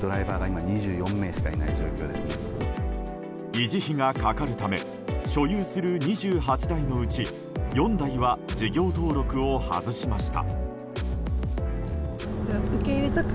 維持費がかかるため所有する２８台のうち４台は事業登録を外しました。